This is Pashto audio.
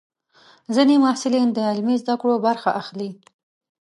ځینې محصلین د عملي زده کړو برخه اخلي.